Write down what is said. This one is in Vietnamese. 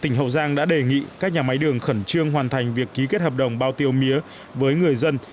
tỉnh hậu giang đã đề nghị các nhà máy đường khẩn trương hoàn thành việc ký kết hợp đồng bao tiêu mía với người dân